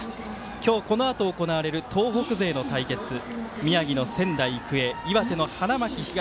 今日、このあと行われる東北勢の対決、宮城の仙台育英岩手の花巻東。